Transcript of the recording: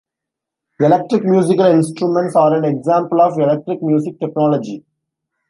Electric musical instruments are an example of electric music technology.